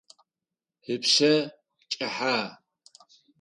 Ыпшъэ кӏыхьэ.